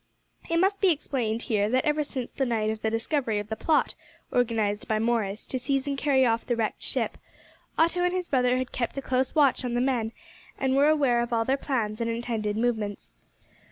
It must be explained here that ever since the night of the discovery of the plot organised by Morris to seize and carry off the wrecked ship, Otto and his brother had kept a close watch on the men, and were aware of all their plans and intended movements.